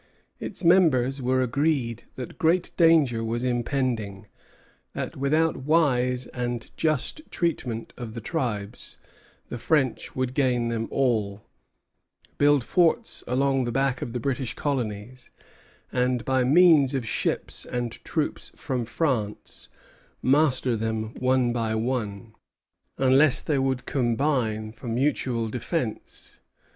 Its members were agreed that great danger was impending; that without wise and just treatment of the tribes, the French would gain them all, build forts along the back of the British colonies, and, by means of ships and troops from France, master them one by one, unless they would combine for mutual defence.